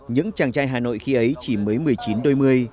những chàng trai hà nội khi ấy chỉ mới một mươi chín đôi mươi